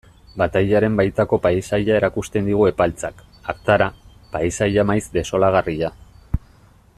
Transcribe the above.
Batailaren baitako paisaia erakusten digu Epaltzak, hartara, paisaia maiz desolagarria.